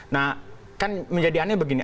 nah kan menjadiannya begini